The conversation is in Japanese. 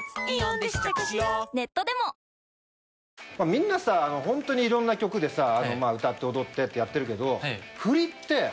みんなホントにいろんな曲で歌って踊ってってやってるけど。